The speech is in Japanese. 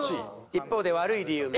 一方で悪い理由も。